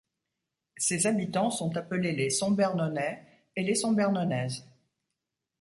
Ses habitants sont appelés les Sombernonais et les Sombernonaises.